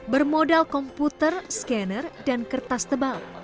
bermodal komputer scanner dan kertas tebal